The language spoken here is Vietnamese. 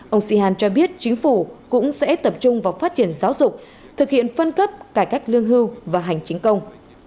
ông sihan cho biết chính phủ cũng sẽ tập trung vào phát triển giáo dục thực hiện phân cấp cải cách lương hưu và hành chính công